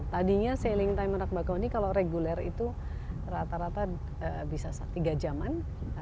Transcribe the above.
tadinya sailing time merak bakau ini kalau reguler itu rata rata bisa tiga jaman